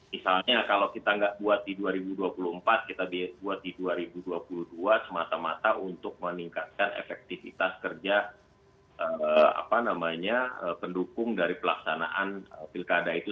misalnya kalau kita nggak buat di dua ribu dua puluh empat kita buat di dua ribu dua puluh dua semata mata untuk meningkatkan efektivitas kerja pendukung dari pelaksanaan pilkada itu